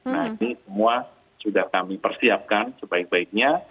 nah ini semua sudah kami persiapkan sebaik baiknya